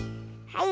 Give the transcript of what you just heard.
はい。